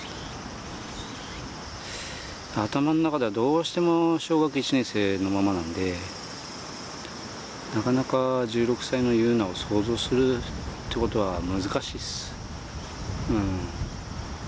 頭の中ではどうしても小学１年生のままなのでなかなか１６歳の汐凪を想像するっていうことは難しいです。